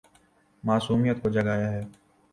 معصومیت کو جگایا ہے